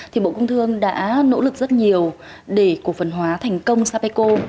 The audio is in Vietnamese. thì bộ công thương đã nỗ lực rất nhiều để cổ phần hóa thành công sapeco